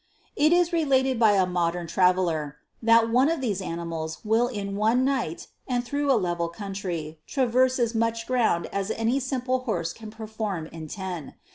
" It is related by a modern traveller,' That one of these animals will in one night, and through a level country, traverse as much ground as any simple horse can perform in ten.